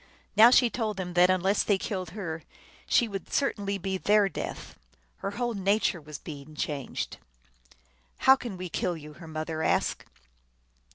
Now she told them that un less they killed her she would certainly be their death. Her whole nature was being changed. " How can we kill you ?" her mother asked.